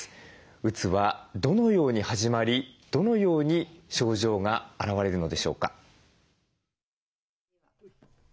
うつはどのように始まりどのように症状が現れるのでしょうか。